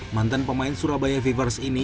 mantan pemain surabaya fevers ini